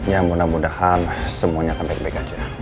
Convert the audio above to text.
ya mudah mudahan semuanya akan baik baik aja